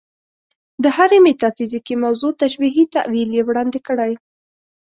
د هرې میتافیزیکي موضوع تشبیهي تأویل یې وړاندې کړی.